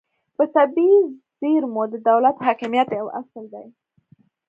په طبیعي زیرمو د دولت حاکمیت یو اصل دی